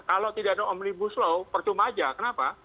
kalau tidak ada omnibus law percuma aja kenapa